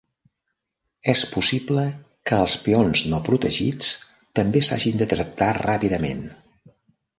És possible que els peons no protegits també s'hagin de tractar ràpidament.